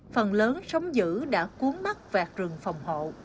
phần lớn sống dữ đã cuốn mắt vạt rừng phòng hộ